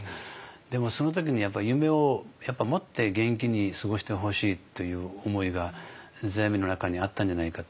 でもその時にやっぱり夢を持って元気に過ごしてほしいという思いが世阿弥の中にあったんじゃないかと。